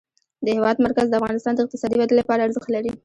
د هېواد مرکز د افغانستان د اقتصادي ودې لپاره ارزښت لري.